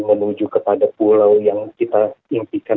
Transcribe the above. menuju kepada pulau yang kita impikan